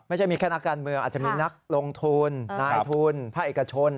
ไม่ใช่มีแค่นักการเมืองอาจจะมีนักลงทุนนายทุนภาคเอกชน